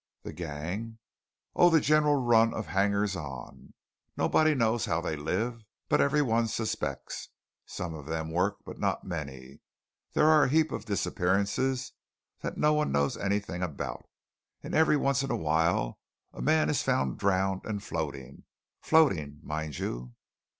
"The gang?" "Oh, the general run of hangers on. Nobody knows how they live, but every one suspects. Some of them work, but not many. There are a heap of disappearances that no one knows anything about; and every once in a while a man is found drowned and floating; floating mind you!"